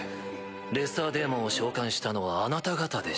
レッサーデーモンを召喚したのはあなた方でしょう？